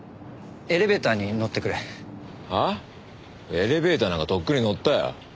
エレベーターなんかとっくに乗ったよ。